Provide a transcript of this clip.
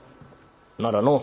「ならのう